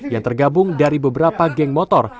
yang tergabung dari beberapa geng motor